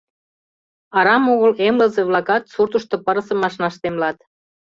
Арам огыл эмлызе-влакат суртышто пырысым ашнаш темлат.